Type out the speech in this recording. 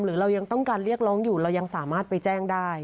หรือเรายังต้องการเรียกร้องอยู่เรายังสามารถไปแจ้งได้